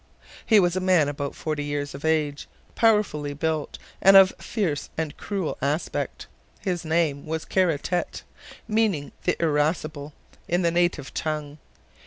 He was a man about forty years of age, powerfully built and of fierce and cruel aspect. His name was Kara Tete, meaning "the irascible" in the native tongue.